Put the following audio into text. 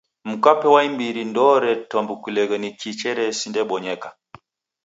Mkwape wa imbiri ndooretambukiloghe ni kii cheresindebonyeka.